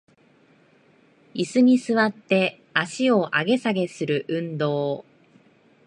イスに座って足を上げ下げする運動